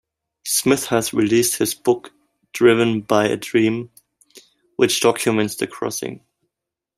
Smith has released his book, "Driven by a Dream", which documents the crossing.